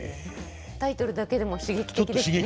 タイトルだけでも刺激的ですね。